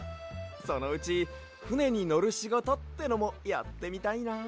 そのうちふねにのるしごとってのもやってみたいな。